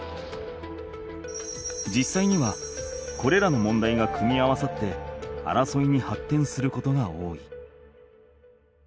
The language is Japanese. じっさいにはこれらの問題が組み合わさって争いにはってんすることが多い。